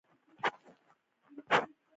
ابجګټف کورلیټف، یعني د خپل فکر څخه یو شي بیانول.